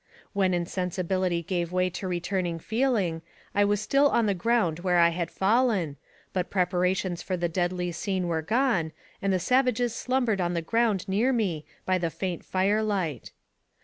When insensibility gave way to returning feeling, I was still on the ground where I had fallen, but prepa rations for the deadly scene were gone, and the savages slumbered on the ground near me by the faint fire light.